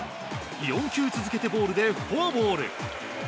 ４球続けてボールでフォアボール。